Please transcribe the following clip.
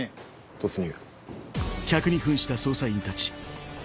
突入。